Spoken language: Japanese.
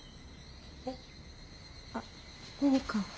えっあっ何か。